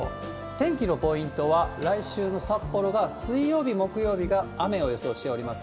天気のポイントは、来週の札幌が水曜日、木曜日が雨を予想しております。